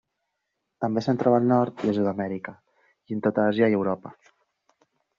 També se'n troba al Nord i a Sud-amèrica, i en tota Àsia i Europa.